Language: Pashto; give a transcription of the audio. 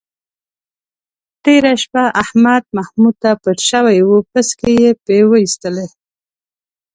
تېره شپه احمد محمود ته پټ شوی و، پسکې یې پې وایستلی.